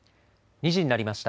２時になりました。